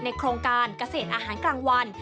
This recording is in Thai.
โครงการเกษตรอาหารกลางวัน